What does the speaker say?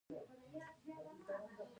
سیندونه د افغانستان د اقتصاد برخه ده.